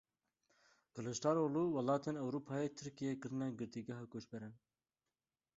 Kiliçdaroglu Welatên Ewropayê Tirkiye kirine girtîgeha koçberan.